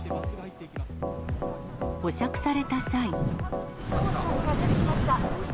保釈された際。